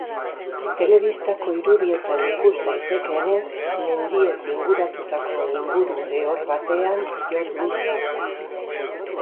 Telebistako irudietan ikus daitekeenez, mendiez inguratutako inguru lehor batean jo du lurra.